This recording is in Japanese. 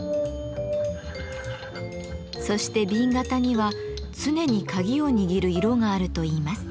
そして紅型には常にカギを握る色があるといいます。